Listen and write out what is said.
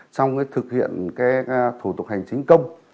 trong thực hiện thủ tục hành chính công